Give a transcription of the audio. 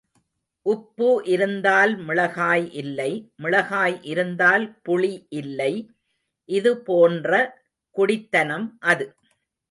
உப்பு இருந்தால் மிளகாய் இல்லை மிளகாய் இருந்தால் புளி இல்லை இது போன்ற குடித்தனம் அது.